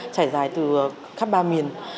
trải dài từ khắp ba miền